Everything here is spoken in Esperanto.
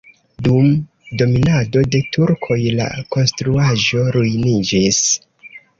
Dum dominado de turkoj la konstruaĵo ruiniĝis.